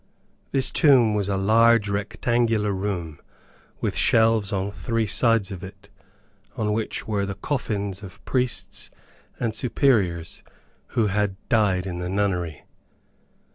This tomb was a large rectangular room, with shelves on three sides of it, on which were the coffins of priests and Superiors who had died in the nunnery.